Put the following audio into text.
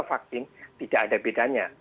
vaksin tidak ada bedanya